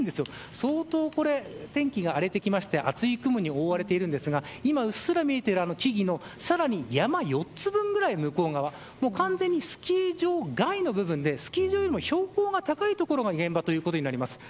相当これ天気が荒れてきまして厚い雲に覆われているんですが今、うっすら見えてるあの木々のさらに山４つ分くらい向こう側完全にスキー場外の部分でスキー場よりも標高が高い所が現場ということになります。